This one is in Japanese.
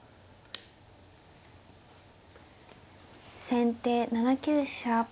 先手７九飛車。